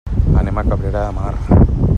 Anem a Cabrera de Mar.